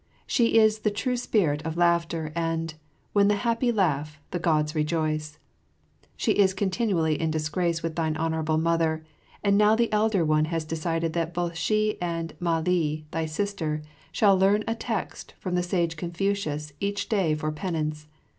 She is the true spirit of laughter, and, "When the happy laugh, the Gods rejoice." She is continually in disgrace with thine Honourable Mother, and now the Elder One has decided that both she and Mah li, thy sister, shall learn a text from the sage Confucius each day for penance.